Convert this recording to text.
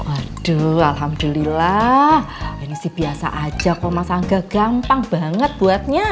aduh alhamdulillah ini sih biasa aja kok mas angga gampang banget buatnya